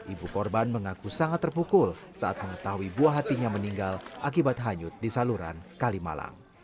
ibu korban mengaku sangat terpukul saat mengetahui buah hatinya meninggal akibat hanyut di saluran kalimalang